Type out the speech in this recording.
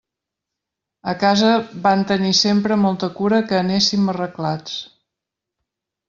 A casa van tenir sempre molta cura que anéssim arreglats.